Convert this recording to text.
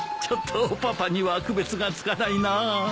ちょっとパパには区別がつかないなあ。